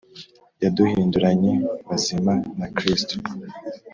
yaduhinduranye bazima na Kristo